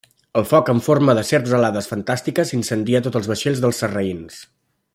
El foc en forma de serps alades fantàstiques incendia tots els vaixells dels sarraïns.